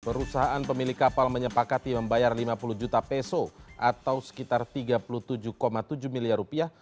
perusahaan pemilik kapal menyepakati membayar lima puluh juta peso atau sekitar tiga puluh tujuh tujuh miliar rupiah